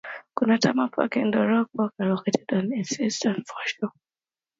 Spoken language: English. Gunnamatta Park and Darook Park are located on its eastern foreshore.